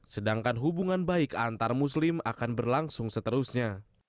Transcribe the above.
sedangkan hubungan baik antar muslim akan berlangsung seterusnya